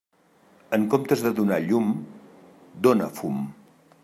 En comptes de donar llum, dóna fum.